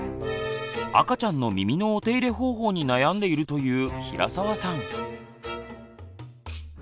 赤ちゃんの耳のお手入れ方法に悩んでいるという平澤さん。